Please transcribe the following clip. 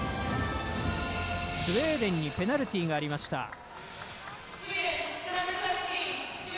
スウェーデンにペナルティーがありました。